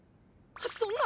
そんな！